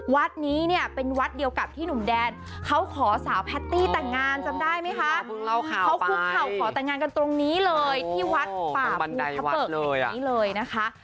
วัดนี้เนี่ยเป็นวัดเดียวกับที่หนุ่มแดนเขาขอสาวแพตตี้แต่งงานจำได้ไหมคะเขาคุกเข่าขอแต่งงานกันตรงนี้เลยที่วัดป่าภูทะเบิกนี้เลยนะคะ